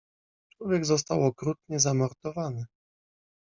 "Człowiek został okrutnie zamordowany."